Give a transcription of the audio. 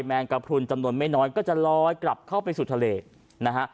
แมงกระพรุนจำนวนไม่น้อยก็จะลอยกลับเข้าไปสู่ทะเลนะฮะ